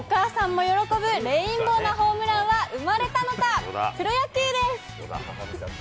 ということで、お母さんも喜ぶレインボーなホームランは生まれたのか、プロ野球。